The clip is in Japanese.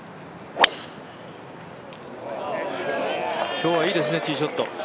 今日はいいですねティーショット。